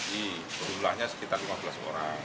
berulahnya sekitar lima belas orang